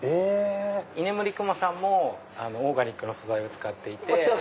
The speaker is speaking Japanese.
いねむりくまさんもオーガニックの素材を使っていて。